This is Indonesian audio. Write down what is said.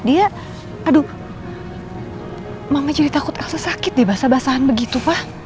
dia aduh makanya jadi takut aku sakit di basah basahan begitu pak